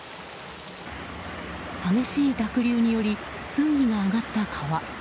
激しい濁流により水位が上がった川。